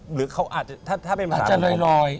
หรือเขาอาจจะถ้าเป็นลอย